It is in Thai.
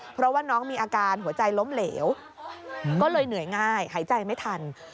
เพราะว่าน้องมีอาการหัวใจล้มเหลวก็เลยเหนื่อยง่ายหายใจไม่ทัน